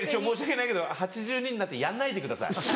申し訳ないけど８２になってやんないでください。